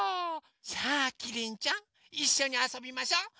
さあキリンちゃんいっしょにあそびましょ。